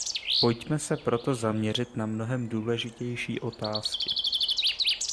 Pojďme se proto zaměřit na mnohem důležitější otázky.